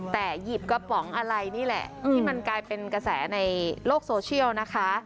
แต่หยิบกระป๋องอะไรนี่แหละที่มันกลายเป็นกระแสในโลกโซเชียลนะคะ